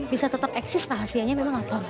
bisa tetap eksis rahasianya memang atau